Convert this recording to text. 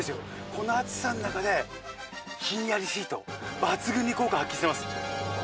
この暑さの中でひんやりシート抜群に効果発揮してます